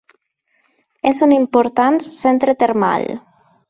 És un important centre termal.